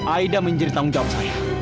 aida menjadi tanggung jawab saya